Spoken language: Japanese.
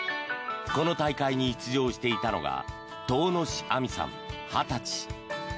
この大会に出場していたのが唐司あみさん、２０歳。